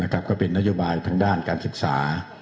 ก็เป็นนโยบายทางด้านการศึกษา